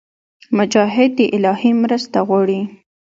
مجاهد د الهي مرسته غواړي.